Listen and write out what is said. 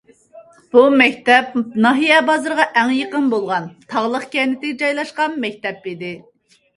بۇ مەكتەپ ناھىيە بازىرىغا ئەڭ يېقىن بولغان، تاغلىق كەنتكە جايلاشقان مەكتەپ ئىدى.